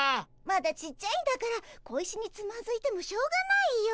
まだちっちゃいんだから小石につまずいてもしょうがないよ。